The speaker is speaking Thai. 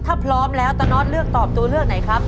ถ้าพร้อมแล้วตาน็อตเลือกตอบตัวเลือกไหนครับ